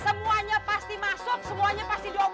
semuanya pasti masuk semuanya pasti diobatin